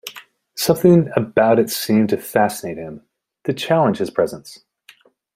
Something about it seemed to fascinate him, to challenge his presence.